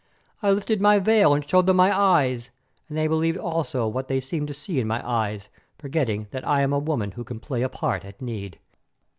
I lifted my veil, and showed them my eyes, and they believed also what they seemed to see in my eyes, forgetting that I am a woman who can play a part at need.